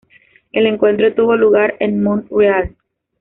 El encuentro tuvo lugar en Montreal.